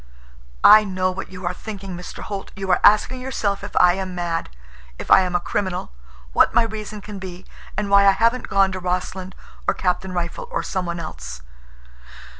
"I know what you are thinking, Mr. Holt. You are asking yourself if I am mad, if I am a criminal, what my reason can be, and why I haven't gone to Rossland, or Captain Rifle, or some one else.